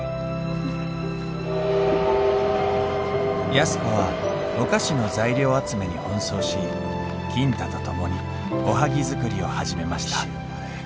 安子はお菓子の材料集めに奔走し金太と共におはぎ作りを始めました